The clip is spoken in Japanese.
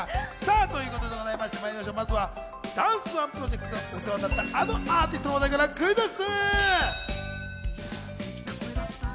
まずはダンスＯＮＥプロジェクトでお世話になったあのアーティストの話題からクイズッス！